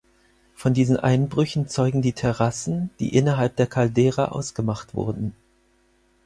Von diesen Einbrüchen zeugen die Terrassen, die innerhalb der Caldera ausgemacht wurden.